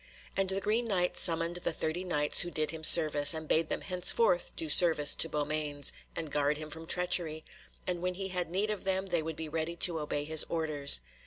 And the Green Knight summoned the thirty Knights who did him service, and bade them henceforth do service to Beaumains, and guard him from treachery, and when he had need of them they would be ready to obey his orders.